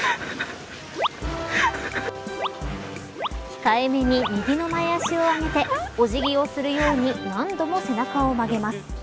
控えめに右の前足を上げてお辞儀をするように何度も背中を曲げます